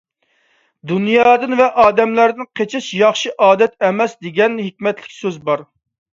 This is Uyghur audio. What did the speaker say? «دۇنيادىن ۋە ئادەملەردىن قېچىش ياخشى ئادەت ئەمەس» دېگەن ھېكمەتلىك سۆز بار.